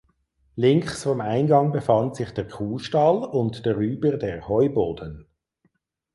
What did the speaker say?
Links vom Eingang befand sich der Kuhstall und darüber der Heuboden.